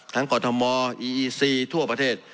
ทั้งกรรมมอร์อีอีซีทั่วประเทศ